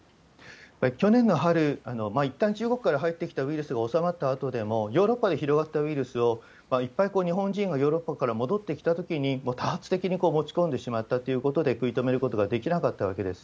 去年の春、いったん中国から入ってきたウイルスが収まったあとでも、ヨーロッパで広がったウイルスを、いっぱい日本人がヨーロッパから戻ってきたときに、多発的に持ち込んでしまったということで、食い止めることができなかったわけです。